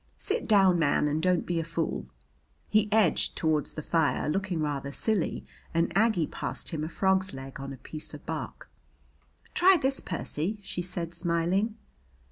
Sit down, man, and don't be a fool." He edged toward the fire, looking rather silly, and Aggie passed him a frog's leg on a piece of bark. "Try this, Percy," she said, smiling.